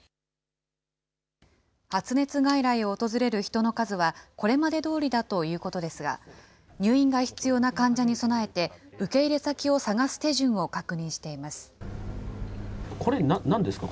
発熱外来を訪れる人の数はこれまでどおりだということですが、入院が必要な患者に備えて、受け入れ先を探す手順を確認していまこれ、なんですか？